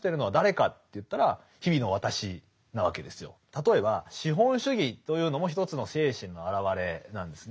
例えば資本主義というのも一つの精神のあらわれなんですね。